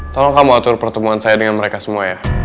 tolong kamu atur pertemuan saya dengan mereka semua ya